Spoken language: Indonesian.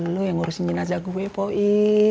lu yang ngurusin jenazah gue po ii